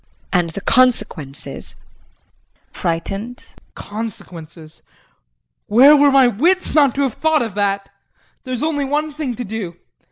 And the consequences? JEAN [Frightened]. Consequences where were my wits not to have thought of that! There is only one thing to do.